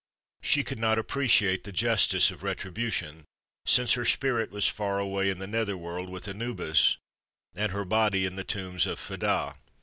She could not appreciate the justice of retribution, since her spirit was far away in the nether world with Anubis, and her body in the tombs of Fedah.